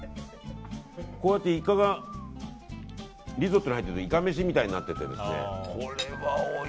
こうやってイカがリゾットに入っているとイカ飯みたいになっているので。